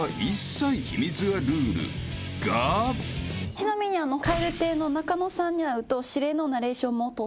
ちなみに蛙亭の中野さんに会うと。